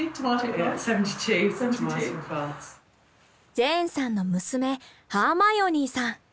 ジェーンさんの娘ハーマイオニーさん。